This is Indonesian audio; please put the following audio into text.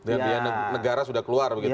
ya biar negara sudah keluar begitu ya